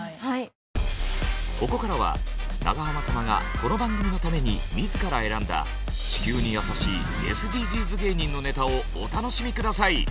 ここからは長濱様がこの番組のために自ら選んだ地球にやさしいＳＤＧｓ芸人のネタをお楽しみ下さい！